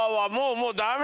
もうダメ。